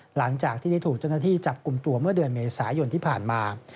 หลังจากที่ได้ถูกเจ้าหน้าที่จับกลุ่มตัวเมื่อเดือนเมษายนที่ผ่านมา